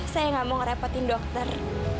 saya nggak mau ngerepotin dokter